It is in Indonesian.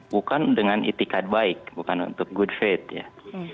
bukan dengan itikat baik bukan untuk good faith ya